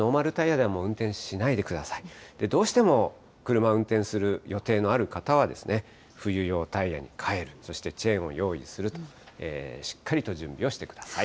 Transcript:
どうしても車運転する予定のある方は、冬用タイヤに換える、そしてチェーンを用意すると、しっかりと準備をしてください。